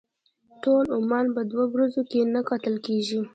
ټول عمان په دوه ورځو کې نه کتل کېږي.